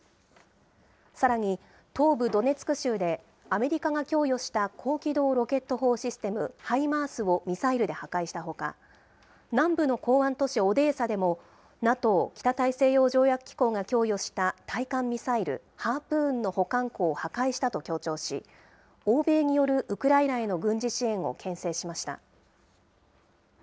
さらに東部ドネツク州でアメリカが供与した高機動ロケット砲システム・ハイマースをミサイルで破壊したほか、南部の港湾都市オデーサでも、ＮＡＴＯ・北大西洋条約機構が供与した対艦ミサイル・ハープーンの保管庫を破壊したと強調し、欧米によるウクライナへの軍事支援をけん制しました。